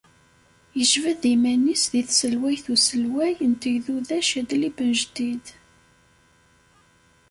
Yejbed iman-is deg tselwayt Uselway n Tegduda Cadli Ben Jdid.